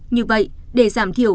như vậy để giảm thiểu